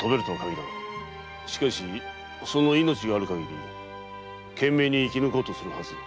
だがその命あるかぎり懸命に生き抜こうとするはず。